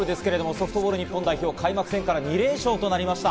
ソフトボール日本代表は開幕戦から２連勝となりました。